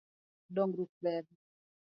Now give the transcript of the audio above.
Dongruok ber.